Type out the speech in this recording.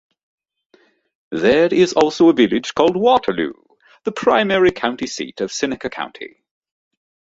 There is also a village called Waterloo, the primary county seat of Seneca County.